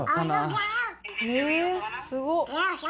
すごっ！